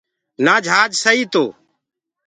نآ جھاج سئٚ تو